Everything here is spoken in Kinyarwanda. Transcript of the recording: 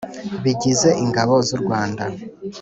bigize ingabo z u Rwanda